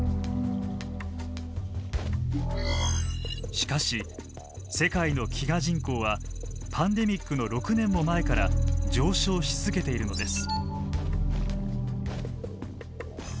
しかし世界の飢餓人口はパンデミックの６年も前から上昇し続けているのです。